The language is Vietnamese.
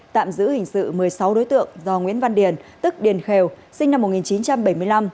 tạm giữ hình sự một mươi sáu đối tượng do nguyễn văn điền tức điền khèo sinh năm một nghìn chín trăm bảy mươi năm